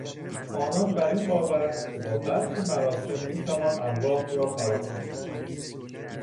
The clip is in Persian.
آنان بر این باورند که با برخی مراسم میتوان ارواح را فراخواند.